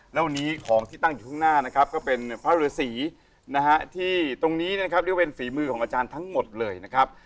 แล้ววันนี้ของที่ตั้งอยู่ข้างหน้านะครับก็เป็นพระฤษีนะฮะที่ตรงนี้นะครับเรียกว่าเป็นฝีมือของอาจารย์ทั้งหมดเลยนะครับ